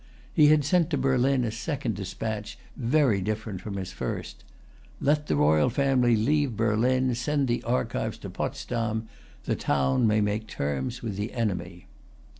He had sent to Berlin a second dispatch very different from his first: "Let the royal family leave Berlin. Send the archives to Potsdam. The town may make terms with the enemy."